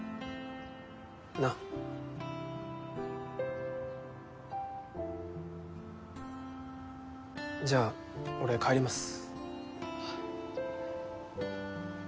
な。じゃあ俺帰ります。